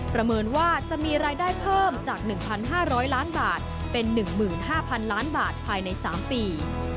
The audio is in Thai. ประเมินว่าจะมีรายได้เพิ่มจาก๑๕๐๐ล้านบาทเป็น๑๕๐๐๐ล้านบาทภายใน๓ปี